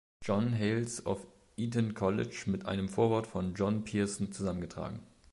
John Hales of Eton College" mit einem Vorwort von John Pearson zusammengetragen.